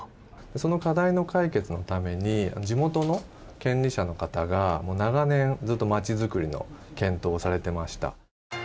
その課題の解決のために地元の権利者の方が長年ずっと街づくりの検討をされてました。